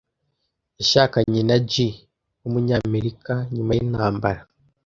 Yashakanye na GI wumunyamerika nyuma yintambara.